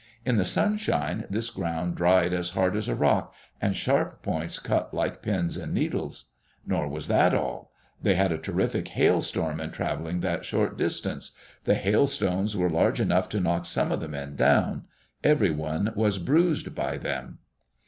In the sunshine this ground dried as hard as a rock, and sharp points cut like pins and needles. Nor was that all. They had a terrific hailstorm in traveling that short distance. The hailstones were large enough to knock some of the men down; everyone was bruised by them.